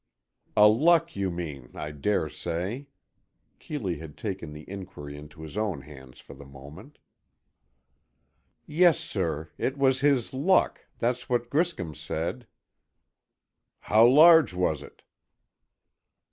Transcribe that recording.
"A Luck you mean, I dare say." Keeley had taken the inquiry into his own hands for the moment. "Yes, sir, it was his Luck, that's what Griscom said." "How large was it?"